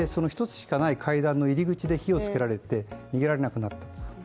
そしてその一つしかない階段の入り口で火をつけられて逃げられなくなった。